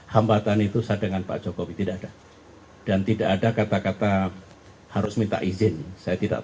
hambatan itu saya dengan pak jokowi tidak ada dan tidak ada kata kata harus minta izin saya tidak